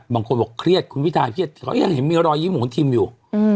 บางคนบอกเครียดคุณพี่ถาเครียดเค้าเห็นลอยยิ้มของทิมอยู่